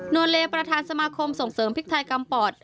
นวลเลบก็ทำสมคมส่งเสริมพริกไทยกำปอด